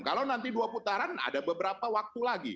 kalau nanti dua putaran ada beberapa waktu lagi